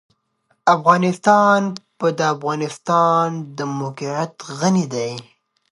افغانستان په د افغانستان د موقعیت غني دی.